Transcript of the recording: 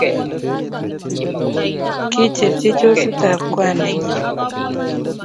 Kicherchi chosit ab kwan nenyi